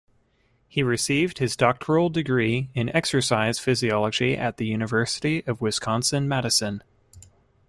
He received his doctoral degree in exercise physiology at the University of Wisconsin-Madison.